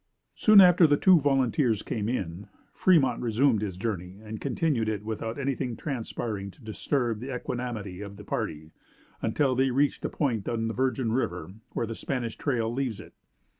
Soon after the two volunteers came in, Fremont resumed his journey and continued it without anything transpiring to disturb the equanimity of the party until they reached a point on the Virgin River where the Spanish Trail leaves it.